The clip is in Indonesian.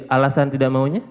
alasan tidak maunya